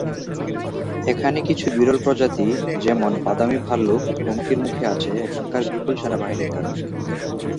এখানে কিছু বিরল প্রজাতি, যেমন বাদামি ভাল্লুক হুমকির মুখে আছে এখানকার বিপুল সেনাবাহিনীর কারণে।